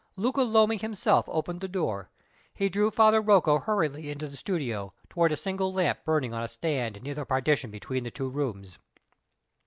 Luca Lomi himself opened the door. He drew Father Rocco hurriedly into the studio toward a single lamp burning on a stand near the partition between the two rooms.